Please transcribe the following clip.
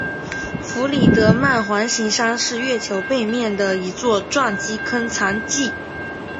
弗里德曼环形山是月球背面的一座撞击坑残迹。